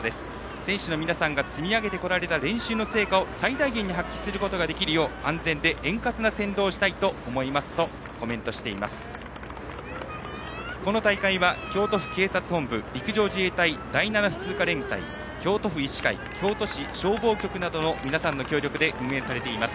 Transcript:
選手の皆さんが積み上げてこられた練習の成果を最大限に発揮することができるよう安全で円滑な先導をしたいと思いますとコメントしています。